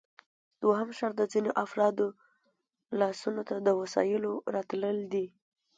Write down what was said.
دوهم شرط د ځینو افرادو لاسونو ته د وسایلو راتلل دي